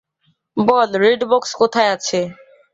বল, red box কোথায় আছে?